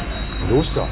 どうした？